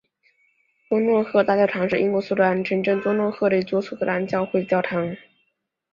多诺赫大教堂是英国苏格兰城镇多诺赫的一座苏格兰教会教堂。